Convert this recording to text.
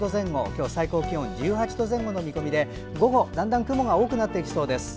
今日は最高気温１８度前後の見込みで午後だんだん雲が多くなっていきそうです。